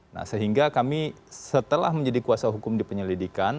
nah sehingga kami setelah menjadi kuasa hukum di penyelidikan